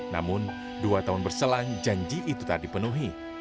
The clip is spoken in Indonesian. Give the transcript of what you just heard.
namun dua tahun berselang janji itu tak dipenuhi